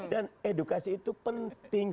dan edukasi itu penting